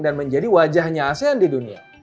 dan menjadi wajahnya asean di dunia